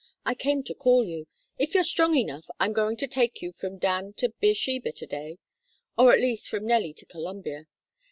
"I came to call you. If you're strong enough, I'm going to take you from Dan to Beersheba to day or at least from Nellie to Columbia.